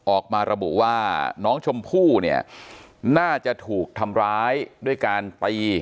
ออกมาระบุว่าน้องชมพู่เนี่ยน่าจะถูกทำร้ายด้วยการตี